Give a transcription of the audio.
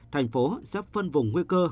thành phố sẽ phân vùng nguy cơ